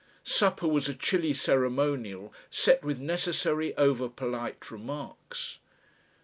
Supper was a chilly ceremonial set with necessary over polite remarks.